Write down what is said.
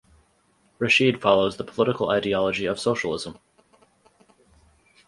Rashid follows the political ideology of socialism.